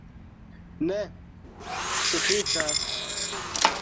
Ne, sufiĉas!